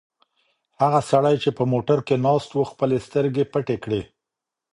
هغه سړی چې په موټر کې ناست و خپلې سترګې پټې کړې.